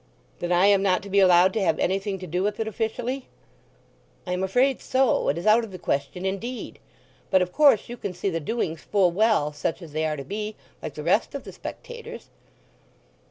"Then I am not to be allowed to have anything to do with it officially?" "I am afraid so; it is out of the question, indeed. But of course you can see the doings full well, such as they are to be, like the rest of the spectators."